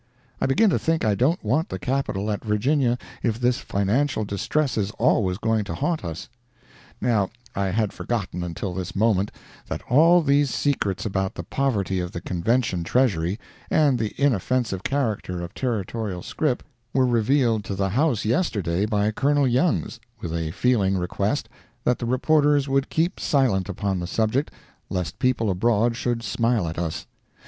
I begin to think I don't want the Capital at Virginia if this financial distress is always going to haunt us. Now, I had forgotten until this moment that all these secrets about the poverty of the Convention treasury, and the inoffensive character of Territorial scrip, were revealed to the house yesterday by Colonel Youngs, with a feeling request that the reporters would keep silent upon the subject, lest people abroad should smile at us.